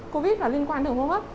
covid là liên quan đường hô hấp